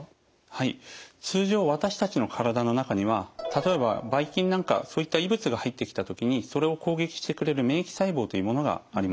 はい通常私たちの体の中には例えばばい菌なんかそういった異物が入ってきた時にそれを攻撃してくれる免疫細胞というものがあります。